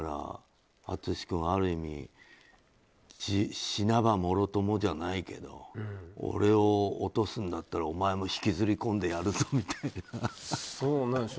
淳君、ある意味死なばもろともじゃないけど俺を落とすんだったらお前も引きずり込んでやるぞみたいな。